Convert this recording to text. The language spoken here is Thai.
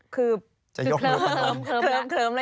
คือเคิมแล้วยกมือขึ้นมา